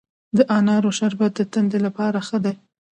د انارو شربت د تندې لپاره ښه دی.